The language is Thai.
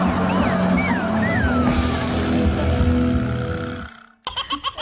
อ้าว